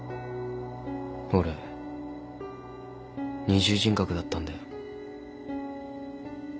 俺二重人格だったんだよ。